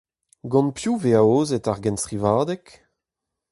Gant piv 'vez aozet ar genstrivadeg ?